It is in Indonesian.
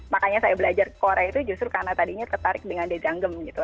makanya saya belajar korea itu justru karena tadinya ketarik dengan dejanggem gitu